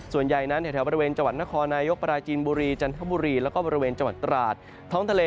ส่วนใหญ่นั้นแถวบริเวณจังหวัดนครนายกปราจีนบุรีจันทบุรีแล้วก็บริเวณจังหวัดตราดท้องทะเล